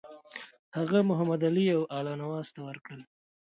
هغه محمدعلي او الله نواز ته ورکړل.